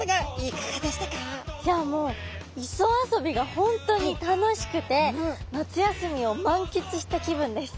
いやもう磯遊びが本当に楽しくて夏休みを満喫した気分です。